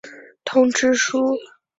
通知书。